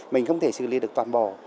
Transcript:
mình không thể xử lý được toàn bộ